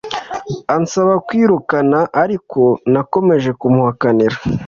ansaba kukwirukana ariko nakomeje kumuhakanira